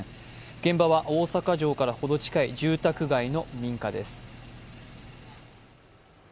現場は大阪城からほど近い住宅街の民家です。